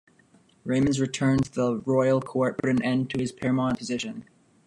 Raymond's return to the royal court put an end to his paramount position.